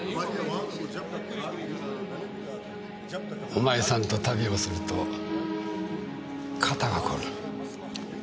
お前さんと旅をすると肩が凝る。